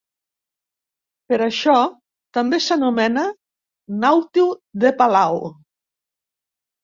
Per això, també s'anomena Nàutil de Palau.